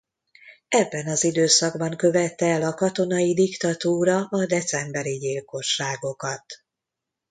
Ebben az időszakban követte el a katonai diktatúra a decemberi gyilkosságokat.